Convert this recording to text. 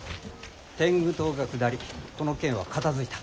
天狗党が下りこの件は片づいた。